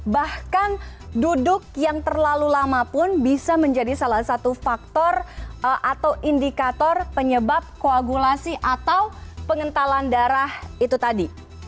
bahkan duduk yang terlalu lama pun bisa menjadi salah satu faktor atau indikator penyebab koagulasi atau pengentalan darah itu tadi